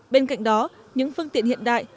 bên cạnh đó những phương tiện hiện đại